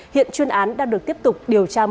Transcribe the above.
hiện chuyên án đang được tiếp tục điều tra mở rộng